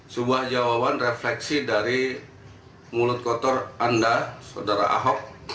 sebuah jawaban refleksi dari mulut kotor anda saudara ahok